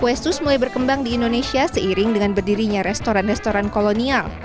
kue sus mulai berkembang di indonesia seiring dengan berdirinya restoran restoran kolonial